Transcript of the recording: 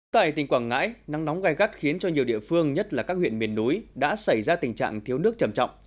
tại tỉnh quảng ngãi nắng nóng gai gắt khiến cho nhiều địa phương nhất là các huyện miền núi đã xảy ra tình trạng thiếu nước chầm trọng